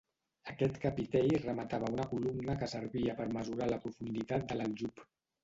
Aquest capitell rematava una columna que servia per mesurar la profunditat de l'aljub.